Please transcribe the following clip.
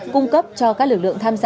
cung cấp cho các lực lượng tham dự